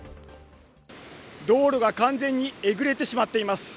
道路が完全にえぐれてしまっています。